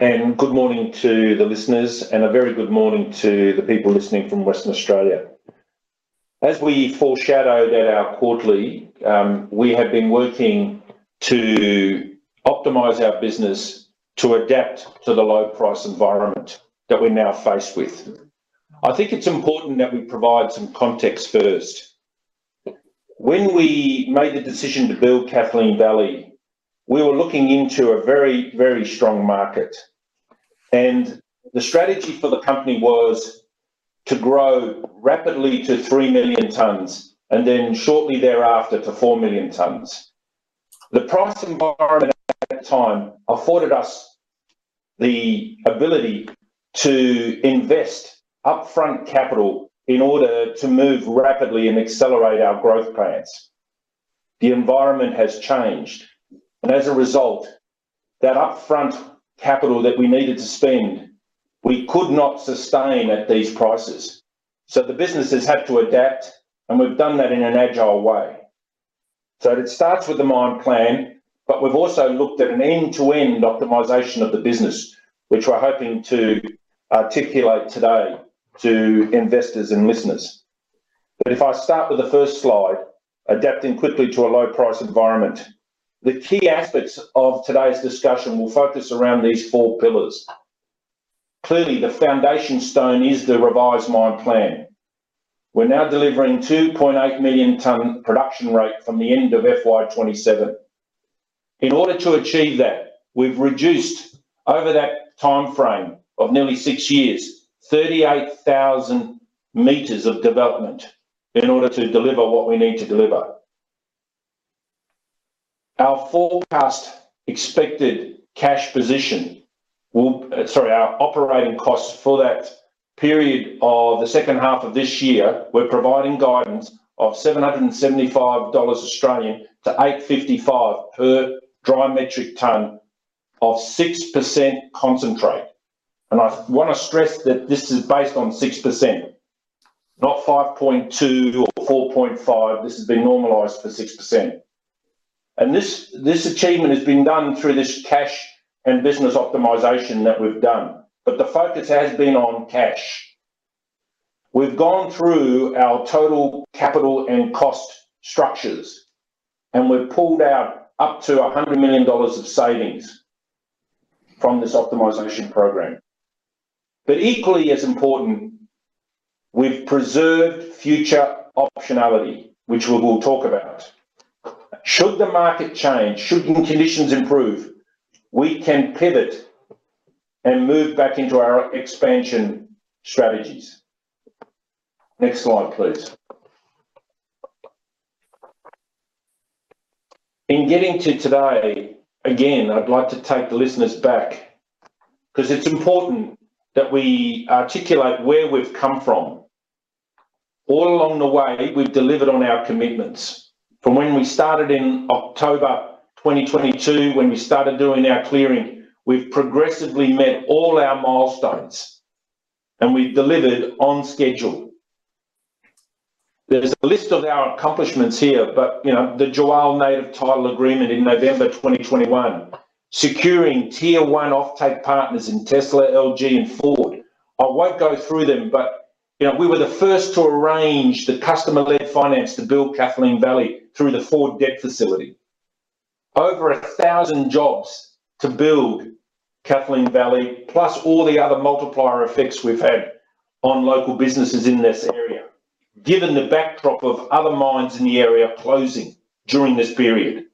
Good morning to the listeners, and a very good morning to the people listening from Western Australia. As we foreshadowed at our quarterly, we have been working to optimize our business to adapt to the low-price environment that we're now faced with. I think it's important that we provide some context first. When we made the decision to build Kathleen Valley, we were looking into a very, very strong market, and the strategy for the company was to grow rapidly to 3 million tons and then shortly thereafter to 4 million tons. The price environment at that time afforded us the ability to invest upfront capital in order to move rapidly and accelerate our growth plans. The environment has changed, and as a result, that upfront capital that we needed to spend, we could not sustain at these prices. The business has had to adapt, and we've done that in an agile way. It starts with the mine plan, but we've also looked at an end-to-end optimization of the business, which we're hoping to articulate today to investors and listeners. If I start with the first slide, adapting quickly to a low-price environment, the key aspects of today's discussion will focus around these four pillars. Clearly, the foundation stone is the revised mine plan. We're now delivering a 2.8 million ton production rate from the end of FY27. In order to achieve that, we've reduced, over that timeframe of nearly six years, 38,000 meters of development in order to deliver what we need to deliver. Sorry, our operating costs for that period of H2 of this year, we're providing guidance of 775-855 Australian dollars per dry metric ton of 6% concentrate. And I want to stress that this is based on 6%, not 5.2% or 4.5%. This has been normalized for 6%. And this achievement has been done through this cash and business optimization that we've done, but the focus has been on cash. We've gone through our total capital and cost structures, and we've pulled out up to 100 million dollars of savings from this optimization program. But equally as important, we've preserved future optionality, which we will talk about. Should the market change, should conditions improve, we can pivot and move back into our expansion strategies. Next slide, please. In getting to today, again, I'd like to take the listeners back because it's important that we articulate where we've come from. All along the way, we've delivered on our commitments. From when we started in October 2022, when we started doing our clearing, we've progressively met all our milestones, and we've delivered on schedule. There's a list of our accomplishments here, but the Tjiwarl Native Title Agreement in November 2021, securing Tier 1 offtake partners in Tesla, LG, and Ford. I won't go through them, but we were the first to arrange the customer-led finance to build Kathleen Valley through the Ford debt facility. Over 1,000 jobs to build Kathleen Valley, plus all the other multiplier effects we've had on local businesses in this area, given the backdrop of other mines in the area closing during this period.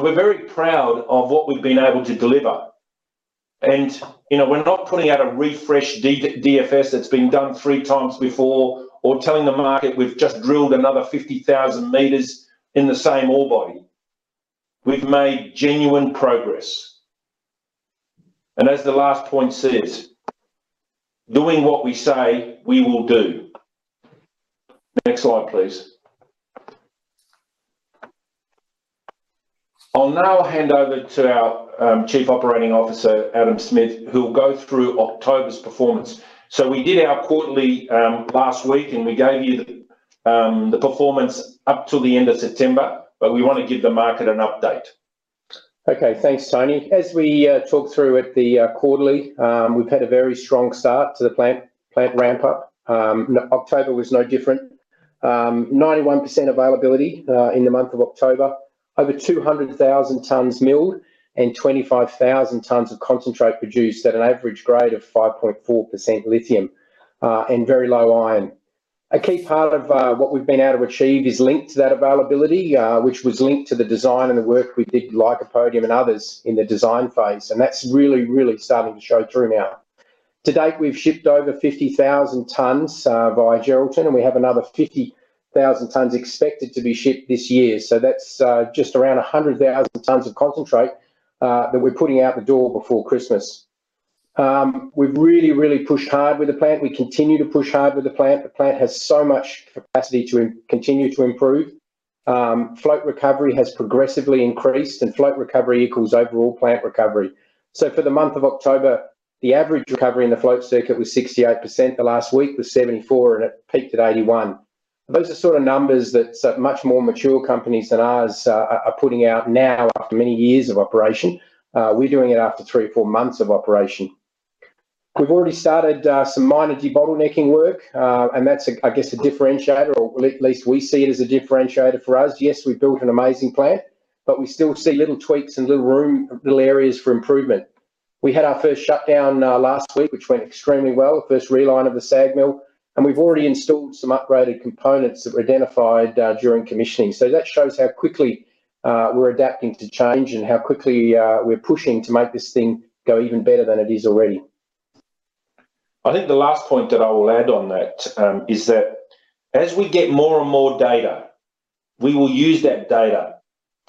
We're very proud of what we've been able to deliver, and we're not putting out a refresh DFS that's been done three times before or telling the market we've just drilled another 50,000 meters in the same ore body. We've made genuine progress. As the last point says, doing what we say we will do. Next slide, please. I'll now hand over to our Chief Operating Officer, Adam Smits, who will go through October's performance. We did our quarterly last week, and we gave you the performance up to the end of September, but we want to give the market an update. Okay, thanks, Tony. As we talk through at the quarterly, we've had a very strong start to the plant ramp-up. October was no different. 91% availability in the month of October, over 200,000 tons milled and 25,000 tons of concentrate produced at an average grade of 5.4% lithium and very low iron. A key part of what we've been able to achieve is linked to that availability, which was linked to the design and the work we did with Lycopodium and others in the design phase, and that's really, really starting to show through now. To date, we've shipped over 50,000 tons via Geraldton, and we have another 50,000 tons expected to be shipped this year. So that's just around 100,000 tons of concentrate that we're putting out the door before Christmas. We've really, really pushed hard with the plant. We continue to push hard with the plant. The plant has so much capacity to continue to improve. Float recovery has progressively increased, and float recovery equals overall plant recovery. So for the month of October, the average recovery in the float circuit was 68%. The last week was 74%, and it peaked at 81%. Those are sort of numbers that much more mature companies than ours are putting out now after many years of operation. We're doing it after three or four months of operation. We've already started some minor debottlenecking work, and that's, I guess, a differentiator, or at least we see it as a differentiator for us. Yes, we've built an amazing plant, but we still see little tweaks and little room, little areas for improvement. We had our first shutdown last week, which went extremely well, the first reline of the SAG mill, and we've already installed some upgraded components that were identified during commissioning. So that shows how quickly we're adapting to change and how quickly we're pushing to make this thing go even better than it is already. I think the last point that I will add on that is that as we get more and more data, we will use that data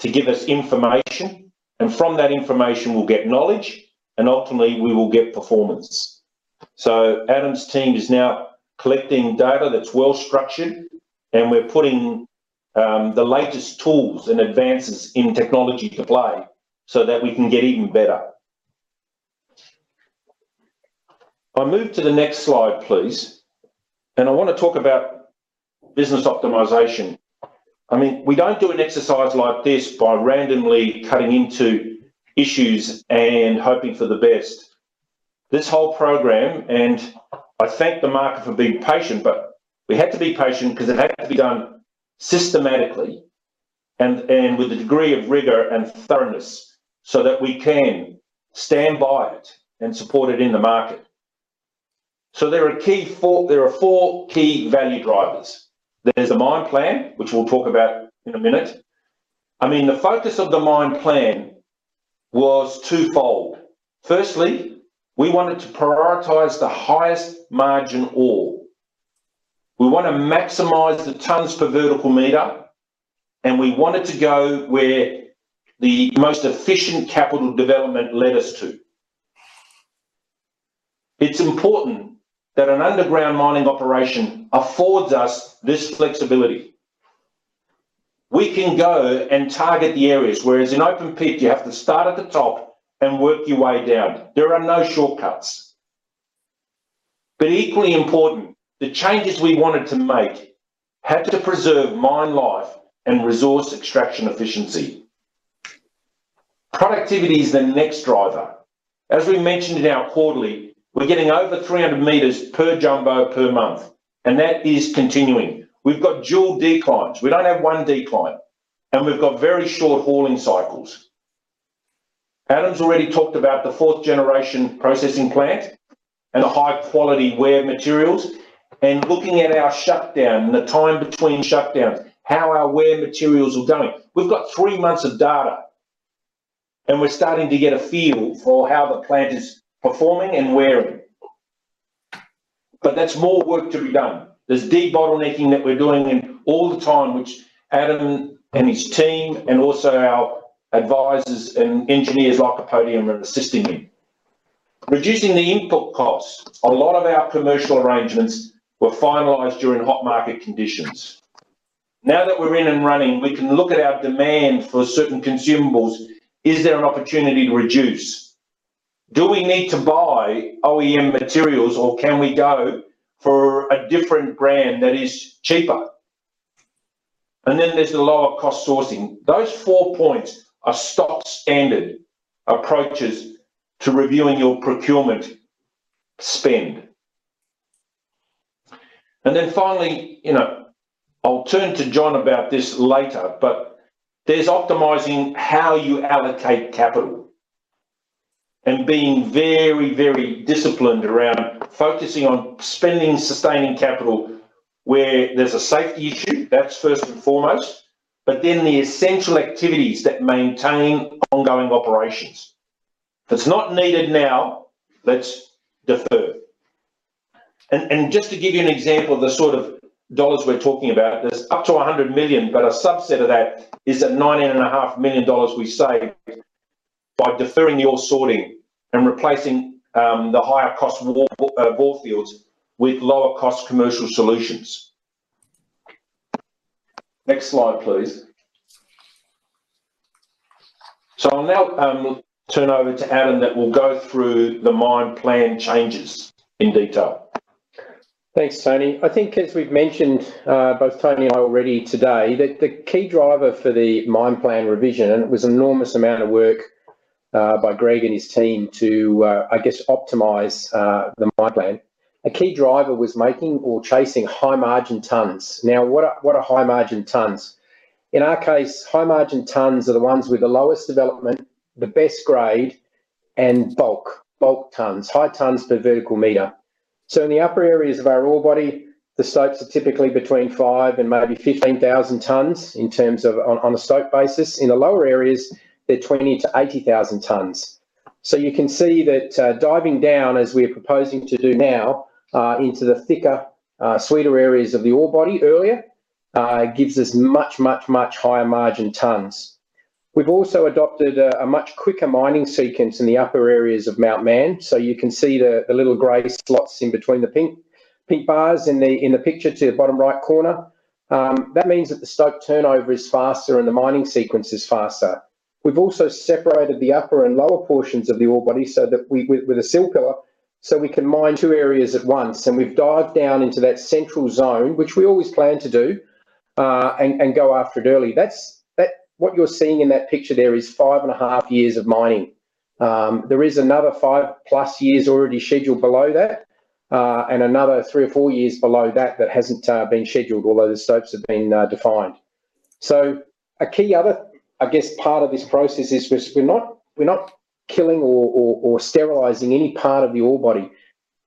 to give us information, and from that information, we'll get knowledge, and ultimately, we will get performance. So Adam's team is now collecting data that's well-structured, and we're putting the latest tools and advances in technology to play so that we can get even better. I'll move to the next slide, please, and I want to talk about business optimization. I mean, we don't do an exercise like this by randomly cutting into issues and hoping for the best. This whole program, and I thank the market for being patient, but we had to be patient because it had to be done systematically and with a degree of rigor and thoroughness so that we can stand by it and support it in the market. There are four key value drivers. There's the mine plan, which we'll talk about in a minute. I mean, the focus of the mine plan was twofold. Firstly, we wanted to prioritize the highest margin ore. We want to maximize the tons per vertical meter, and we wanted to go where the most efficient capital development led us to. It's important that an underground mining operation affords us this flexibility. We can go and target the areas, whereas in open pit, you have to start at the top and work your way down. There are no shortcuts. But equally important, the changes we wanted to make had to preserve mine life and resource extraction efficiency. Productivity is the next driver. As we mentioned in our quarterly, we're getting over 300 meters per jumbo per month, and that is continuing. We've got dual declines. We don't have one decline, and we've got very short hauling cycles. Adam's already talked about the fourth-generation processing plant and the high-quality wear materials, and looking at our shutdown and the time between shutdowns, how our wear materials are going. We've got three months of data, and we're starting to get a feel for how the plant is performing and wearing. But that's more work to be done. There's debottlenecking that we're doing all the time, which Adam and his team and also our advisors and engineers like Coppetti are assisting in. Reducing the input costs. A lot of our commercial arrangements were finalized during hot market conditions. Now that we're in and running, we can look at our demand for certain consumables. Is there an opportunity to reduce? Do we need to buy OEM materials, or can we go for a different brand that is cheaper? And then there's the lower-cost sourcing. Those four points are stock-standard approaches to reviewing your procurement spend. And then finally, I'll turn to Jon about this later, but there's optimizing how you allocate capital and being very, very disciplined around focusing on spending sustaining capital where there's a safety issue. That's first and foremost, but then the essential activities that maintain ongoing operations. If it's not needed now, let's defer. And just to give you an example of the sort of dollars we're talking about, there's up to 100 million, but a subset of that is the 9.5 million dollars we saved by deferring ore sorting and replacing the higher-cost bore fields with lower-cost commercial solutions. Next slide, please. So I'll now turn over to Adam that will go through the mine plan changes in detail. Thanks, Tony. I think, as we've mentioned both Tony and I already today, that the key driver for the mine plan revision, and it was an enormous amount of work by Greg and his team to, I guess, optimize the mine plan, a key driver was making or chasing high-margin tons. Now, what are high-margin tons? In our case, high-margin tons are the ones with the lowest development, the best grade, and bulk, bulk tons, high tons per vertical meter. So in the upper areas of our ore body, the stopes are typically between 5,000 and maybe 15,000 tons in terms of on a stope basis. In the lower areas, they're 20,000 to 80,000 tons. So you can see that diving down, as we're proposing to do now, into the thicker, sweeter areas of the ore body earlier, gives us much, much, much higher-margin tons. We've also adopted a much quicker mining sequence in the upper areas of Mount Mann. So you can see the little grey slots in between the pink bars in the picture to the bottom right corner. That means that the stope turnover is faster and the mining sequence is faster. We've also separated the upper and lower portions of the ore body with a sill pillar so we can mine two areas at once, and we've dived down into that central zone, which we always plan to do and go after it early. What you're seeing in that picture there is five and a half years of mining. There is another five-plus years already scheduled below that and another three or four years below that that hasn't been scheduled, although the stopes have been defined. So a key other, I guess, part of this process is we're not killing or sterilizing any part of the ore body.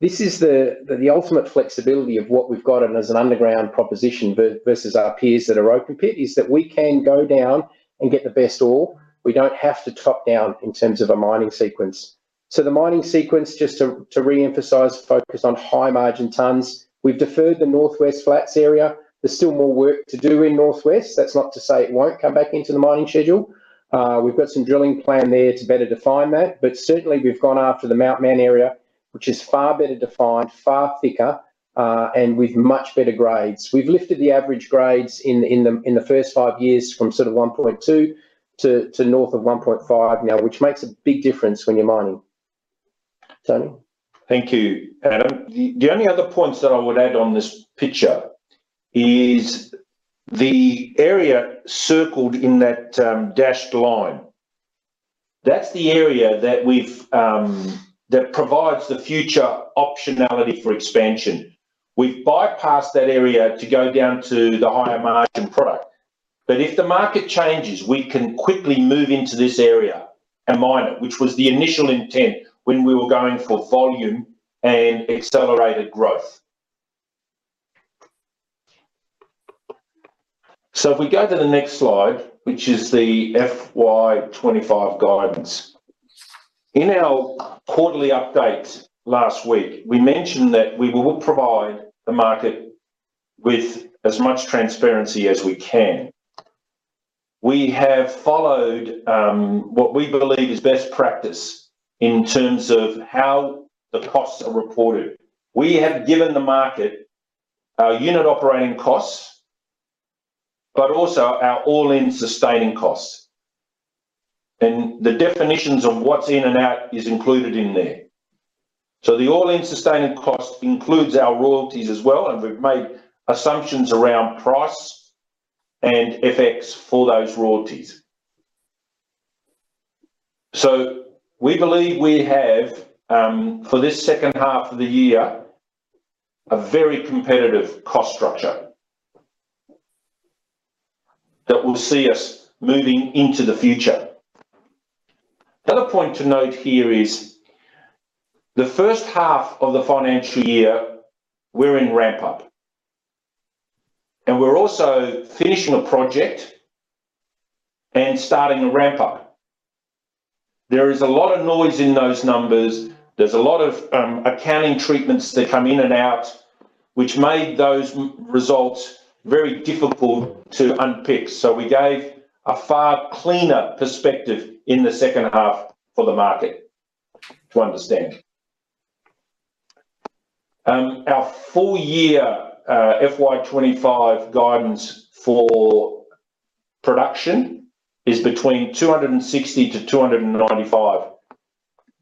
This is the ultimate flexibility of what we've got as an underground proposition versus our peers that are open pit, is that we can go down and get the best ore. We don't have to top down in terms of a mining sequence. So the mining sequence, just to reemphasize focus on high-margin tons, we've deferred the Northwest Flats area. There's still more work to do in Northwest. That's not to say it won't come back into the mining schedule. We've got some drilling plan there to better define that, but certainly we've gone after the Mount Mann area, which is far better defined, far thicker, and with much better grades. We've lifted the average grades in the first five years from sort of 1.2% to north of 1.5% now, which makes a big difference when you're mining. Thank you, Adam. The only other points that I would add on this picture is the area circled in that dashed line. That's the area that provides the future optionality for expansion. We've bypassed that area to go down to the higher-margin product. But if the market changes, we can quickly move into this area and mine it, which was the initial intent when we were going for volume and accelerated growth. So if we go to the next slide, which is the FY25 guidance, in our quarterly update last week, we mentioned that we will provide the market with as much transparency as we can. We have followed what we believe is best practice in terms of how the costs are reported. We have given the market our unit operating costs, but also our all-in sustaining costs. And the definitions of what's in and out is included in there. So the All-in Sustaining Cost includes our royalties as well, and we've made assumptions around price and FX for those royalties. So we believe we have, for this H2 of the year, a very competitive cost structure that will see us moving into the future. Another point to note here is H1 of the financial year, we're in ramp-up, and we're also finishing a project and starting a ramp-up. There is a lot of noise in those numbers. There's a lot of accounting treatments that come in and out, which made those results very difficult to unpick. So we gave a far cleaner perspective in H2 for the market to understand. Our full-year FY25 guidance for production is between 260,000-295,000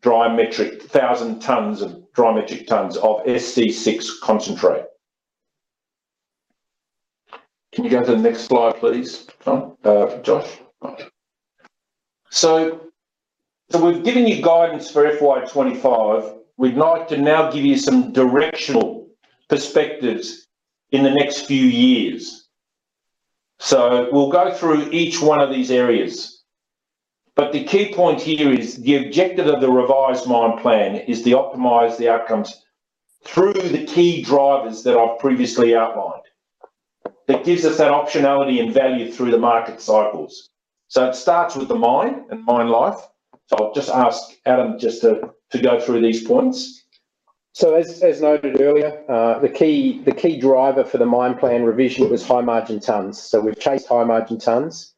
dry metric tons of SC6 concentrate. Can you go to the next slide, please, Jon? Josh? So we've given you guidance for FY25. We'd like to now give you some directional perspectives in the next few years. So we'll go through each one of these areas. But the key point here is the objective of the revised mine plan is to optimize the outcomes through the key drivers that I've previously outlined. It gives us that optionality and value through the market cycles. So it starts with the mine and mine life. So I'll just ask Adam just to go through these points. As noted earlier, the key driver for the mine plan revision was high-margin tons. We've chased high-margin tons.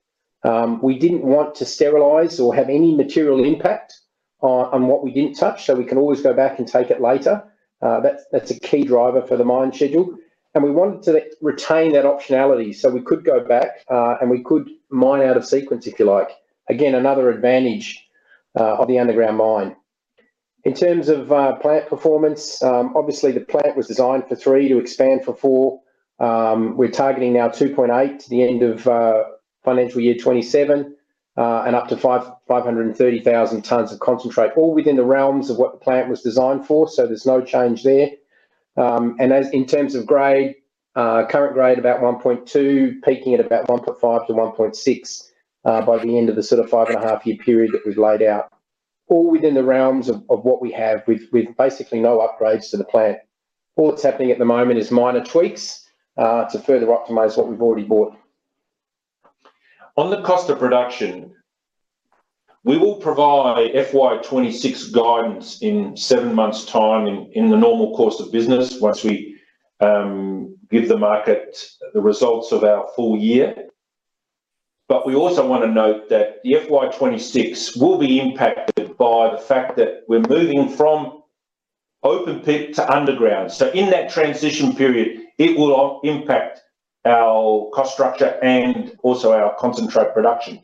We didn't want to sterilize or have any material impact on what we didn't touch, so we can always go back and take it later. That's a key driver for the mine schedule. We wanted to retain that optionality so we could go back and we could mine out of sequence, if you like. Again, another advantage of the underground mine. In terms of plant performance, obviously, the plant was designed for three to expand for four. We're targeting now 2.8 million tons to the end of financial year 2027 and up to 530,000 tons of concentrate, all within the realms of what the plant was designed for, so there's no change there. In terms of grade, current grade about 1.2%, peaking at about 1.5%-1.6% by the end of the sort of five-and-a-half-year period that we've laid out, all within the realms of what we have with basically no upgrades to the plant. All that's happening at the moment is minor tweaks to further optimize what we've already bought. On the cost of production, we will provide FY26 guidance in seven months' time in the normal course of business once we give the market the results of our full year, but we also want to note that the FY26 will be impacted by the fact that we're moving from open pit to underground. In that transition period, it will impact our cost structure and also our concentrate production.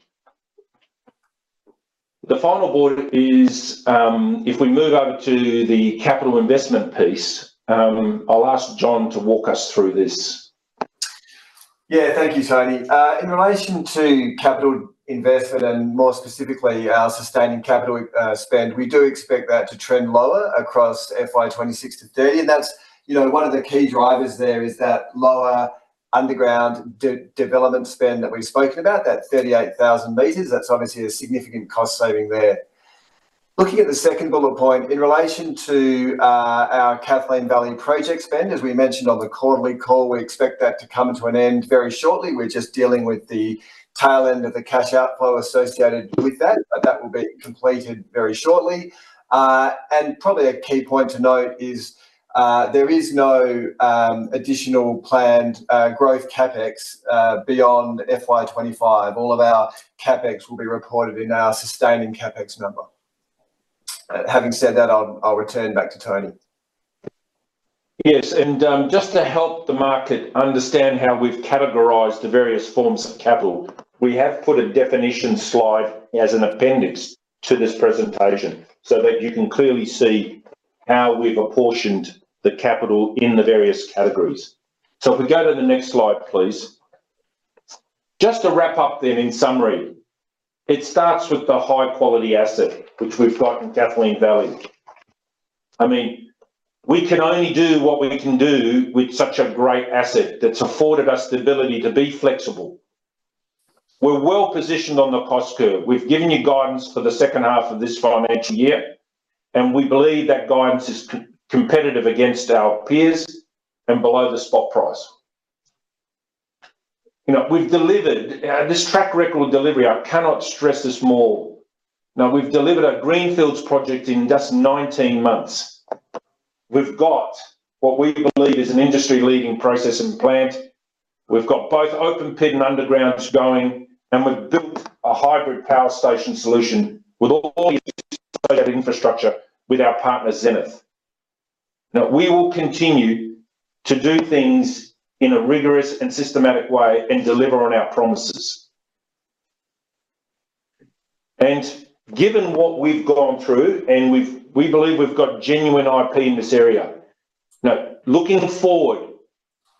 The final point is, if we move over to the capital investment piece, I'll ask Jon to walk us through this. Yeah, thank you, Tony. In relation to capital investment and more specifically our sustaining capital spend, we do expect that to trend lower across FY26 to FY30, and that's one of the key drivers there is that lower underground development spend that we've spoken about, that 38,000 meters. That's obviously a significant cost saving there. Looking at the second bullet point, in relation to our Kathleen Valley project spend, as we mentioned on the quarterly call, we expect that to come to an end very shortly. We're just dealing with the tail end of the cash outflow associated with that, but that will be completed very shortly, and probably a key point to note is there is no additional planned growth CapEx beyond FY25. All of our CapEx will be reported in our sustaining CapEx number. Having said that, I'll return back to Tony. Yes. And just to help the market understand how we've categorized the various forms of capital, we have put a definition slide as an appendix to this presentation so that you can clearly see how we've apportioned the capital in the various categories. So if we go to the next slide, please. Just to wrap up then in summary, it starts with the high-quality asset, which we've got in Kathleen Valley. I mean, we can only do what we can do with such a great asset that's afforded us the ability to be flexible. We're well positioned on the cost curve. We've given you guidance for H2 of this financial year, and we believe that guidance is competitive against our peers and below the spot price. We've delivered this track record of delivery. I cannot stress this more. Now, we've delivered a greenfields project in just 19 months. We've got what we believe is an industry-leading process plant. We've got both open pit and underground going, and we've built a hybrid power station solution with all the associated infrastructure with our partner, Zenith. Now, we will continue to do things in a rigorous and systematic way and deliver on our promises. Given what we've gone through, we believe we've got genuine IP in this area. Now, looking forward,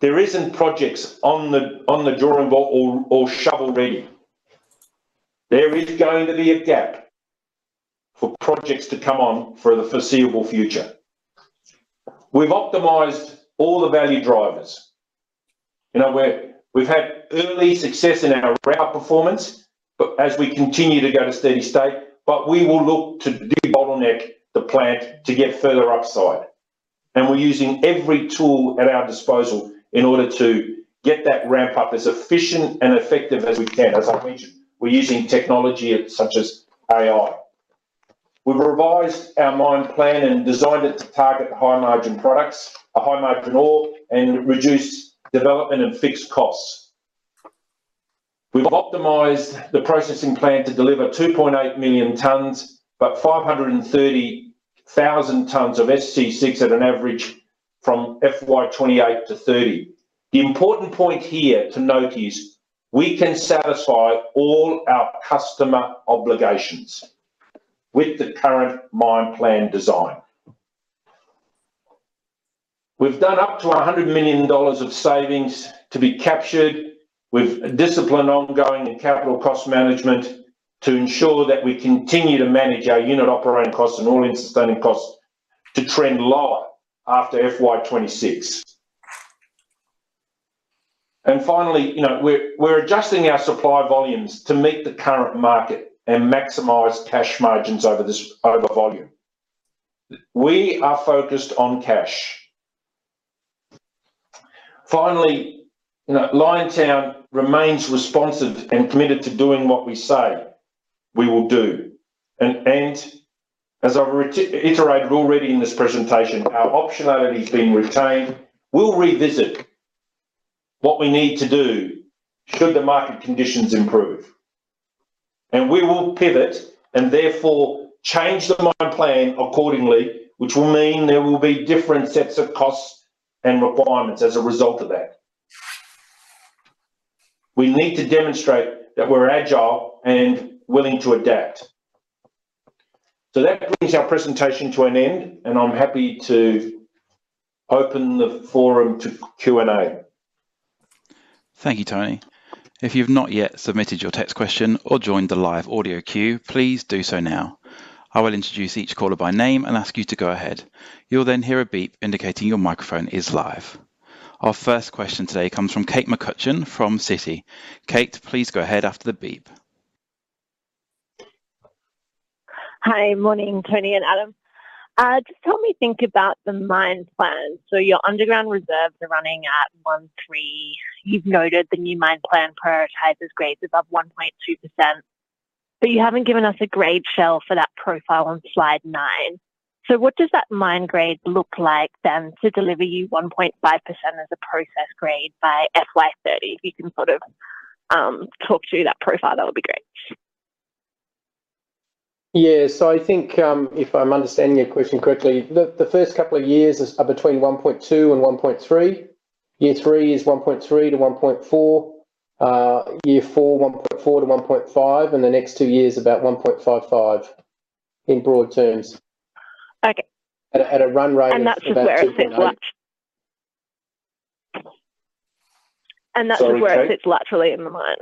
there aren't projects on the drawing board or shovel-ready. There is going to be a gap for projects to come on for the foreseeable future. We've optimized all the value drivers. We've had early success in our plant performance as we continue to go to steady state, but we will look to debottleneck the plant to get further upside. We're using every tool at our disposal in order to get that ramp-up as efficient and effective as we can. As I mentioned, we're using technology such as AI. We've revised our mine plan and designed it to target high-margin products, a high-margin ore, and reduce development and fixed costs. We've optimized the processing plant to deliver 2.8 million tons, but 530,000 tons of SC6 at an average from FY28 to FY30. The important point here to note is we can satisfy all our customer obligations with the current mine plan design. We've done up to 100 million dollars of savings to be captured. We've disciplined ongoing capital cost management to ensure that we continue to manage our unit operating costs and all-in sustaining costs to trend lower after FY26. Finally, we're adjusting our supply volumes to meet the current market and maximize cash margins over volume. We are focused on cash. Finally, Liontown remains responsive and committed to doing what we say we will do. And as I've iterated already in this presentation, our optionality has been retained. We'll revisit what we need to do should the market conditions improve. And we will pivot and therefore change the mine plan accordingly, which will mean there will be different sets of costs and requirements as a result of that. We need to demonstrate that we're agile and willing to adapt. So that brings our presentation to an end, and I'm happy to open the floor to Q&A. Thank you, Tony. If you have not yet submitted your text question or joined the live audio queue, please do so now. I will introduce each caller by name and ask you to go ahead. You'll then hear a beep indicating your microphone is live. Our first question today comes from Kate McCutcheon from Citi. Kate, please go ahead after the beep. Hi, morning, Tony and Adam. Just help me think about the mine plan. So your underground reserves are running at 1.3%. You've noted the new mine plan prioritizes grades above 1.2%, but you haven't given us a grade profile for that profile on slide nine. So what does that mine grade look like then to deliver you 1.5% as a process grade by FY30? If you can sort of talk through that profile, that would be great. Yeah. So I think if I'm understanding your question correctly, the first couple of years are between 1.2% and 1.3%. Year three is 1.3%-1.4%. Year four, 1.4%-1.5%, and the next two years about 1.55% in broad terms. Okay. At a run rate. That's just where it sits laterally. That's just where it sits laterally in the mine.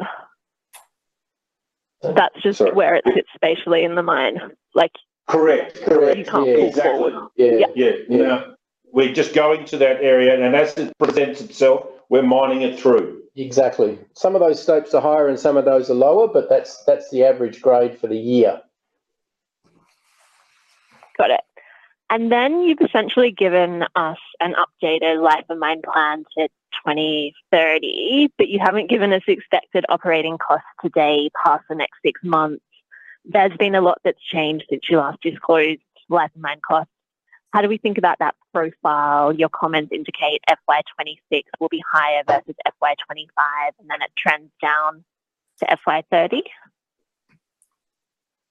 That's just where it sits spatially in the mine. Correct. Correct. Exactly. Yeah. Yeah. We're just going to that area, and as it presents itself, we're mining it through. Exactly. Some of those stopes are higher and some of those are lower, but that's the average grade for the year. Got it. And then you've essentially given us an updated life of mine plan to 2030, but you haven't given us expected operating costs today past the next six months. There's been a lot that's changed since you last disclosed life of mine costs. How do we think about that profile? Your comments indicate FY26 will be higher versus FY25, and then it trends down to FY30.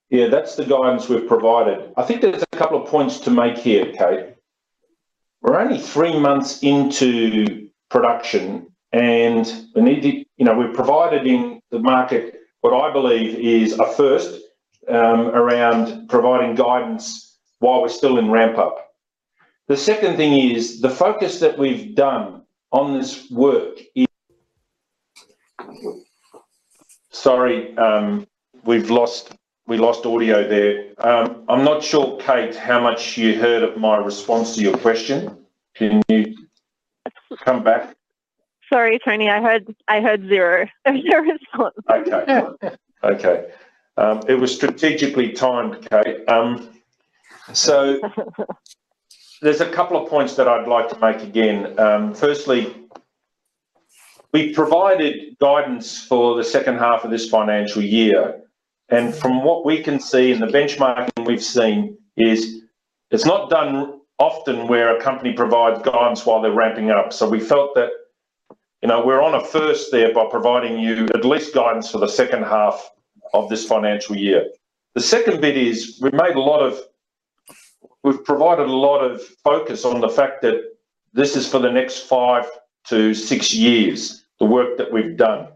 Yeah. That's the guidance we've provided. I think there's a couple of points to make here, Kate. We're only three months into production, and we need to we've provided in the market what I believe is a first around providing guidance while we're still in ramp-up. The second thing is the focus that we've done on this work is sorry, we lost audio there. I'm not sure, Kate, how much you heard of my response to your question. Can you come back? Sorry, Tony. I heard zero response. Okay. Okay. It was strategically timed, Kate. So there's a couple of points that I'd like to make again. Firstly, we've provided guidance for H2 of this financial year. And from what we can see and the benchmarking we've seen is it's not done often where a company provides guidance while they're ramping up. So we felt that we're on a first there by providing you at least guidance for H2 of this financial year. The second bit is we've provided a lot of focus on the fact that this is for the next five to six years, the work that we've done.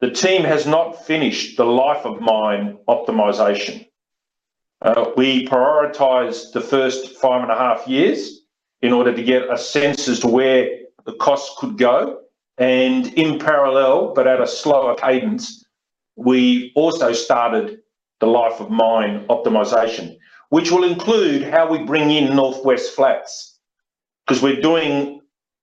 The team has not finished the life of mine optimization. We prioritized the first five and a half years in order to get a sense as to where the costs could go. And in parallel, but at a slower cadence, we also started the life of mine optimization, which will include how we bring in Northwest Flats, because we're doing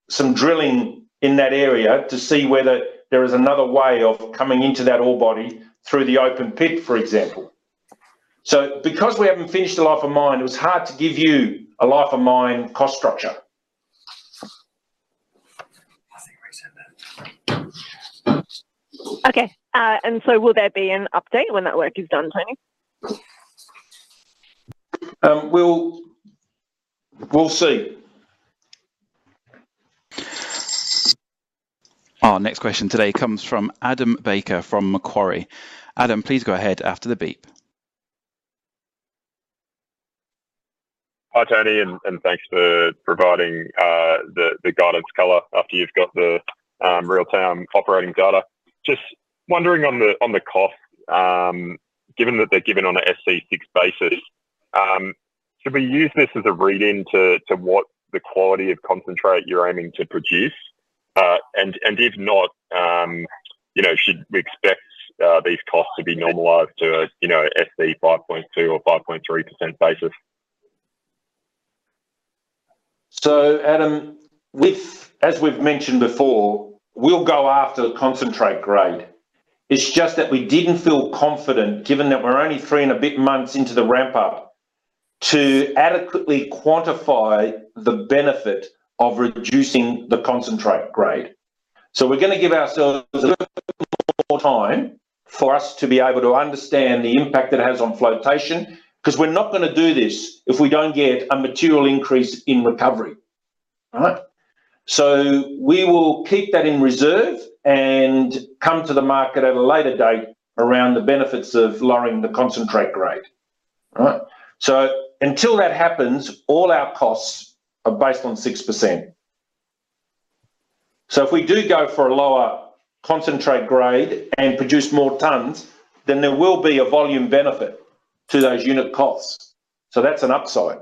some drilling in that area to see whether there is another way of coming into that ore body through the open pit, for example. So because we haven't finished the life of mine, it was hard to give you a life of mine cost structure. Okay. And so will there be an update when that work is done, Tony? We'll see. Our next question today comes from Adam Baker from Macquarie. Adam, please go ahead after the beep. Hi, Tony, and thanks for providing the guidance color after you've got the real-time operating data. Just wondering on the cost, given that they're given on an SC6 basis, should we use this as a read-in to what the quality of concentrate you're aiming to produce? And if not, should we expect these costs to be normalized to an SC 5.2% or 5.3% basis? So, Adam, as we've mentioned before, we'll go after concentrate grade. It's just that we didn't feel confident, given that we're only three and a bit months into the ramp-up, to adequately quantify the benefit of reducing the concentrate grade. So we're going to give ourselves a little more time for us to be able to understand the impact that it has on flotation, because we're not going to do this if we don't get a material increase in recovery. All right? So we will keep that in reserve and come to the market at a later date around the benefits of lowering the concentrate grade. All right? So until that happens, all our costs are based on 6%. So if we do go for a lower concentrate grade and produce more tons, then there will be a volume benefit to those unit costs. So that's an upside.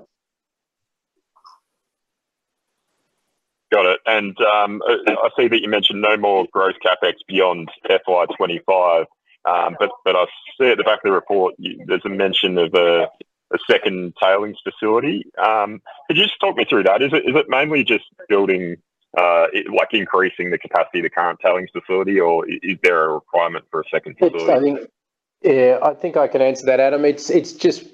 Got it. And I see that you mentioned no more growth CapEx beyond FY25, but I see at the back of the report there's a mention of a second tailings facility. Could you just talk me through that? Is it mainly just building like increasing the capacity of the current tailings facility, or is there a requirement for a second facility? Yeah. I think I can answer that, Adam. It's just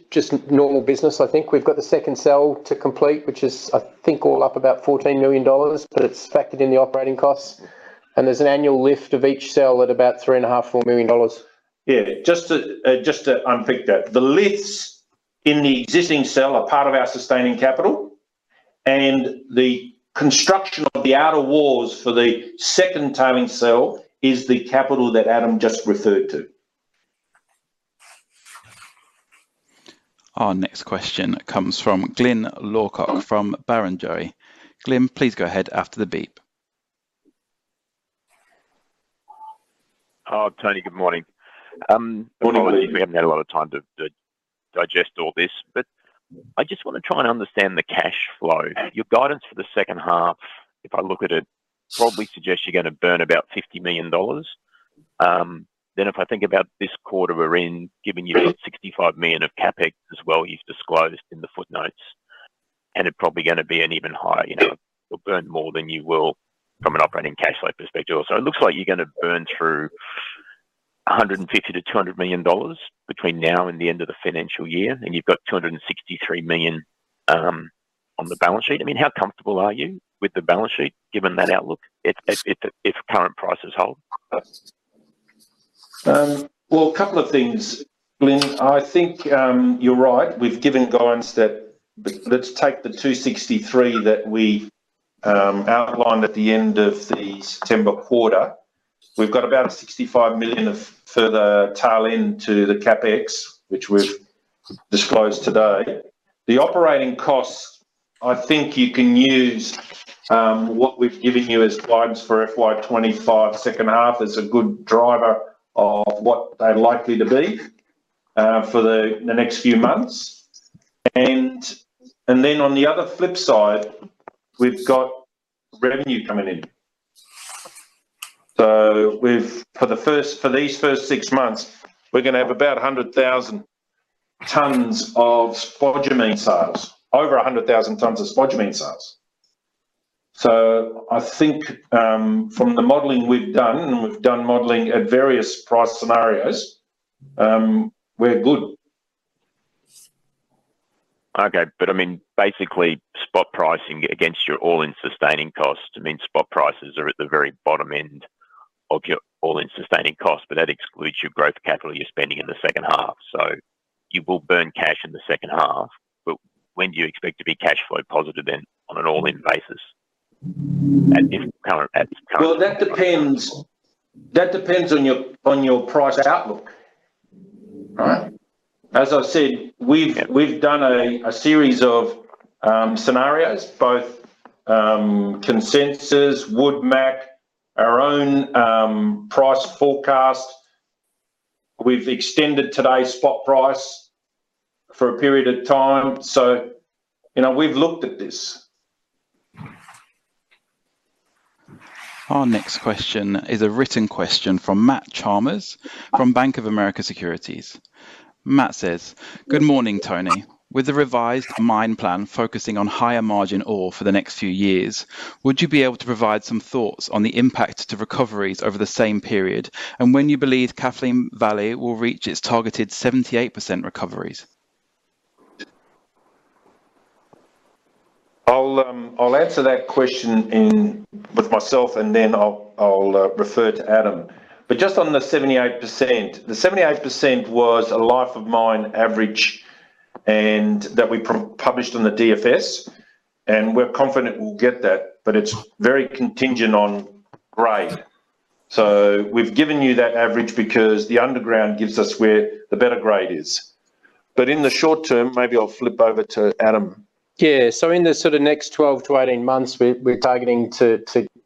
normal business, I think. We've got the second cell to complete, which is, I think, all up about 14 million dollars, but it's factored in the operating costs, and there's an annual lift of each cell at about 3.5 million-4 million dollars. Yeah. Just to unpick that, the lifts in the existing cell are part of our sustaining capital, and the construction of the outer walls for the second tailings cell is the capital that Adam just referred to. Our next question comes from Glyn Lawcock from Barrenjoey. Glyn, please go ahead after the beep. Hi, Tony. Good morning. Morning. We haven't had a lot of time to digest all this, but I just want to try and understand the cash flow. Your guidance for H2, if I look at it, probably suggests you're going to burn about 50 million dollars. Then if I think about this quarter, we're in, given you've got 65 million of CapEx as well you've disclosed in the footnotes, and it's probably going to be an even higher you'll burn more than you will from an operating cash flow perspective. So it looks like you're going to burn through 150 million-200 million dollars between now and the end of the financial year, and you've got 263 million on the balance sheet. I mean, how comfortable are you with the balance sheet given that outlook if current prices hold? A couple of things, Glyn. I think you're right. We've given guidance that let's take the 263 million that we outlined at the end of the September quarter. We've got about 65 million of further tail-in to the CapEx, which we've disclosed today. The operating costs, I think you can use what we've given you as guidance for FY25 H2 as a good driver of what they're likely to be for the next few months. And then on the other flip side, we've got revenue coming in. So for these first six months, we're going to have about 100,000 tons of spodumene sales, over 100,000 tons of spodumene sales. So I think from the modeling we've done, and we've done modeling at various price scenarios, we're good. Okay. But I mean, basically, spot pricing against your all-in sustaining costs, I mean, spot prices are at the very bottom end of your all-in sustaining costs, but that excludes your growth capital you're spending in H2. So you will burn cash in H2, but when do you expect to be cash flow positive then on an all-in basis? That depends on your price outlook. As I said, we've done a series of scenarios, both consensus, WoodMac, our own price forecast. We've extended today's spot price for a period of time. We've looked at this. Our next question is a written question from Matt Chalmers from Bank of America Securities. Matt says, "Good morning, Tony. With the revised mine plan focusing on higher margin ore for the next few years, would you be able to provide some thoughts on the impact to recoveries over the same period and when you believe Kathleen Valley will reach its targeted 78% recoveries? I'll answer that question with myself, and then I'll refer to Adam. But just on the 78%, the 78% was a life of mine average that we published on the DFS, and we're confident we'll get that, but it's very contingent on grade. So we've given you that average because the underground gives us where the better grade is. But in the short term, maybe I'll flip over to Adam. Yeah. So in the sort of next 12 to 18 months, we're targeting to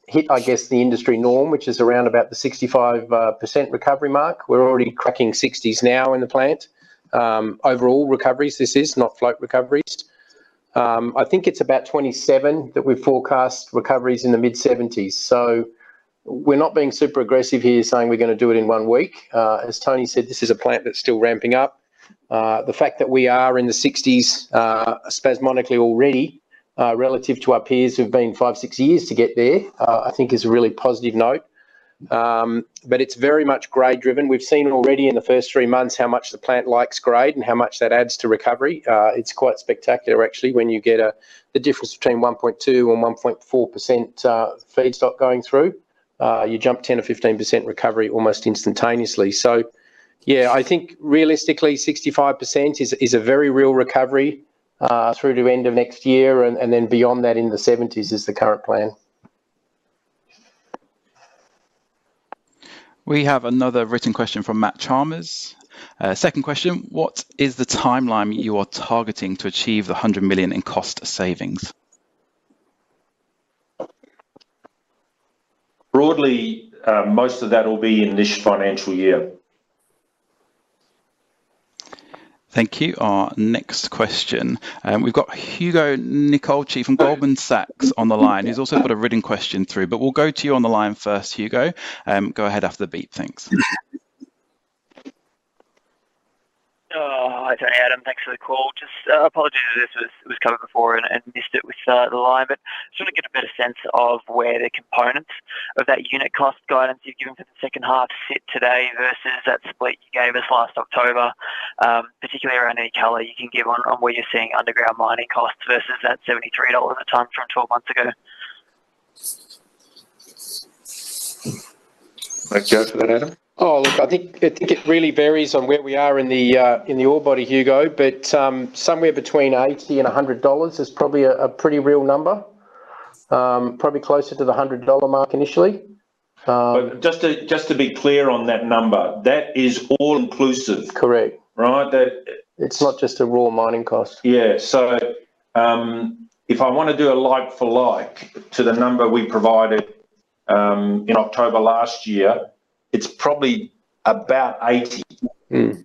hit, I guess, the industry norm, which is around about the 65% recovery mark. We're already cracking 60s% now in the plant. Overall recoveries, this is not float recoveries. I think it's about 2027 that we've forecast recoveries in the mid-70s%. So we're not being super aggressive here saying we're going to do it in one week. As Tony said, this is a plant that's still ramping up. The fact that we are in the 60s% spasmodically already relative to our peers who've been five, six years to get there, I think is a really positive note. But it's very much grade-driven. We've seen already in the first three months how much the plant likes grade and how much that adds to recovery. It's quite spectacular, actually, when you get the difference between 1.2%-1.4% feedstock going through, you jump 10% or 15% recovery almost instantaneously. So yeah, I think realistically, 65% is a very real recovery through to the end of next year, and then beyond that in the 70s% is the current plan. We have another written question from Matt Chalmers. Second question, what is the timeline you are targeting to achieve the 100 million in cost savings? Broadly, most of that will be in this financial year. Thank you. Our next question, we've got Hugo Nicolaci from Goldman Sachs on the line. He's also got a written question through, but we'll go to you on the line first, Hugo. Go ahead after the beep. Thanks. Hi, Tony. Adam, thanks for the call. Just apologies if this was coming before and missed it with the line, but just want to get a better sense of where the components of that unit cost guidance you've given for H2 sit today versus that split you gave us last October, particularly around any color you can give on where you're seeing underground mining costs versus that $73 a ton from 12 months ago. Thank you. Go for that, Adam. Oh, look, I think it really varies on where we are in the ore body, Hugo, but somewhere between 80 and 100 dollars is probably a pretty real number, probably closer to the 100 dollar mark initially. But just to be clear on that number, that is all inclusive. Correct. Right? It's not just a raw mining cost. Yeah, so if I want to do a like for like to the number we provided in October last year, it's probably about AUD 80.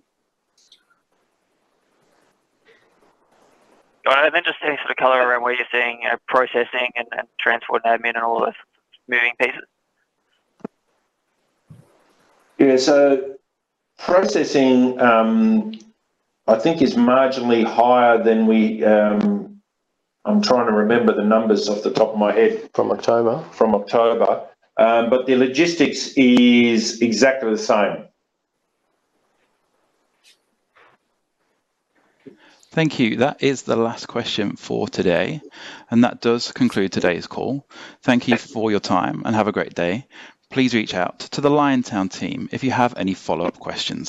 All right. And then just any sort of color around where you're seeing processing and transport and admin and all the moving pieces? Yeah. So processing, I think, is marginally higher than we. I'm trying to remember the numbers off the top of my head. From October. From October, but the logistics is exactly the same. Thank you. That is the last question for today, and that does conclude today's call. Thank you for your time and have a great day. Please reach out to the Liontown team if you have any follow-up questions.